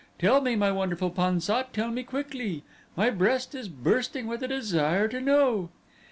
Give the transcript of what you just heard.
Tell me, my wonderful Pan sat, tell me quickly. My breast is bursting with a desire to know."